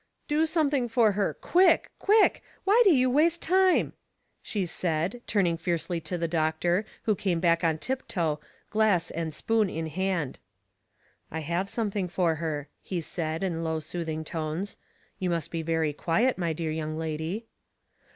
" Do something for her — quick, quick ! Why do you waste time ?" she said, turning fiercely to the doctor, who came back on tiptoe, glass and spoon in hand. '* I have something for her," he said, in low, soothing tones. " You must be very quiet, my dear young lady.'